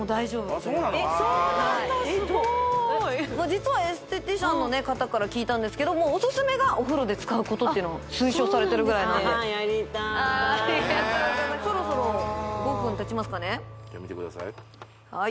実はエステティシャンの方から聞いたんですけどおすすめがお風呂で使うことってのも推奨されてるぐらいなんでそろそろ５分たちますかねじゃあ